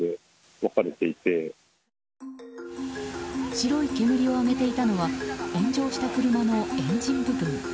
白い煙を上げていたのは炎上した車のエンジン部分。